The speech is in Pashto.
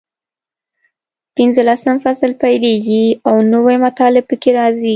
پینځلسم فصل پیلېږي او نوي مطالب پکې راځي.